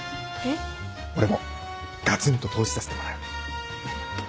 俺もガツンと投資させてもらう。